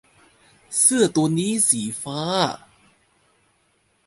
เสื้อตัวนี้สีฟ้า